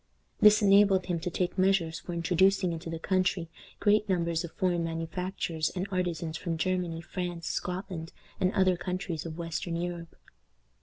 This enabled him to take measures for introducing into the country great numbers of foreign manufacturers and artisans from Germany, France, Scotland, and other countries of western Europe.